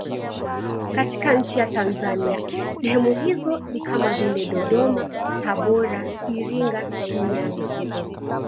Katika nchi ya Tanzania sehemu hizo ni kama vile Dodoma, Tabora, Iringa, Shinyanga.